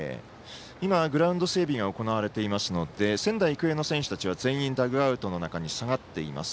今、グラウンド整備が行われていますので仙台育英の選手たちは全員、ダグアウトの中に下がっています。